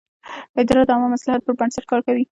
اداره د عامه مصلحت پر بنسټ کار کوي.